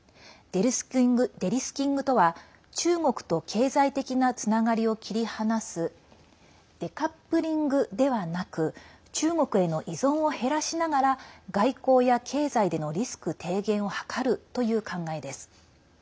デリスキングとは中国と経済的なつながりを切り離すデカップリングではなく中国への依存を減らしながら外交や経済でのリスク低減を図るという考えです。